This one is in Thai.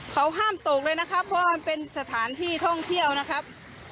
เขาห้ามตกเลยนะครับเพราะมันเป็นสถานที่ท่องเที่ยวนะครับ